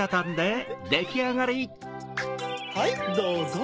はいどうぞ！